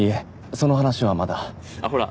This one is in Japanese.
その話はまだあっほら